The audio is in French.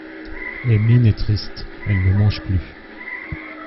Emmeline est triste… elle ne mange plus.